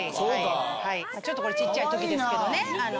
ちょっとこれちっちゃいときですけどね。